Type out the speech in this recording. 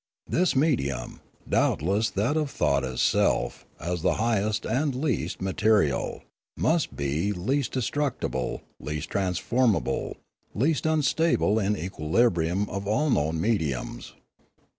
This medium, doubtless that of thought itself, as the highest and least material, must be least destructible, least transformable, least unstable in equilibrium of all known mediums.